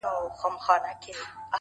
جواب را كړې ـ